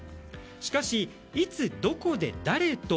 しかし、いつどこで誰と